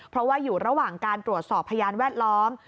เพราะว่าอยู่ระหว่างการตรวจสอบพยานแวดล้อม